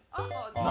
何？